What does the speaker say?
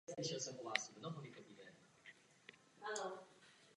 V případě rovnosti bodů se hrál dodatečný zápas o postup mezi danými týmy.